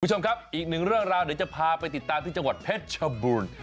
คุณผู้ชมครับอีกหนึ่งเรื่องราวเดี๋ยวจะพาไปติดตามที่จังหวัดเพชรชบูรณ์